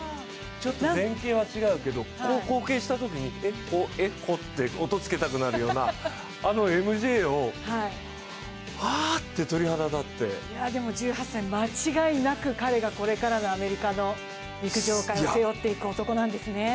ちょっと前傾は違うけど、後傾したときにえっほ、えっほって音をつけたくなるような、１８歳、間違いなく彼がこれからのアメリカの陸上界を背負っていく男なんですね。